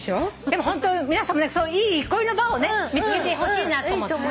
でもホント皆さんもねいい憩いの場をね見つけてほしいなと思って。